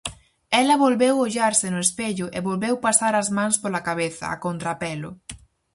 Ela volveu ollarse no espello e volveu pasar as mans pola cabeza, a contrapelo.